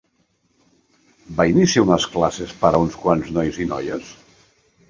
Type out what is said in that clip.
Va iniciar unes classes per a uns quants nois i noies?